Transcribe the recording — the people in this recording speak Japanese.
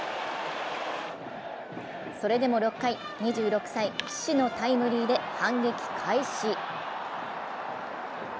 それでも６回、２６歳・岸のタイムリーで反撃開始。